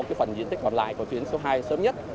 phần diện tích còn lại của chuyến số hai sớm nhất